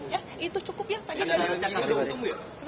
ya itu cukup ya tadi udah ada untung